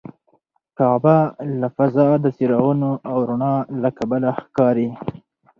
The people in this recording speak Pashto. کعبه له فضا د څراغونو او رڼا له کبله ښکاري.